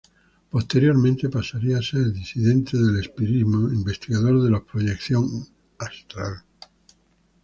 Posteriormente pasaría a ser disidente del espiritismo e investigador de la proyección astral.